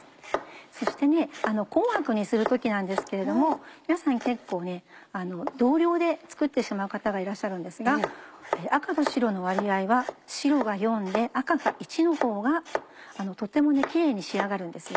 そして紅白にする時なんですけれども皆さん結構同量で作ってしまう方がいらっしゃるんですが赤と白の割合は白が４で赤が１のほうがとてもキレイに仕上がるんですよ。